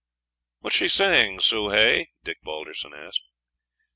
"What is she saying, Soh Hay?" Dick Balderson asked.